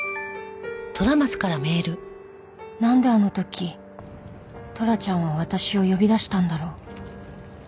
なんであの時トラちゃんは私を呼び出したんだろう。